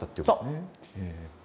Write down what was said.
そう。